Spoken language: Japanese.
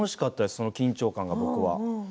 その緊張感が僕は。